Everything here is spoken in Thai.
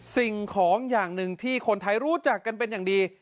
สิ่งของอย่างหนึ่งที่คนไทยรู้จักกันเป็นอย่างดี